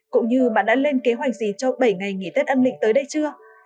cũng như bạn đã lên kế hoạch gì cho bảy ngày nghỉ tết âm lịch tới đây chưa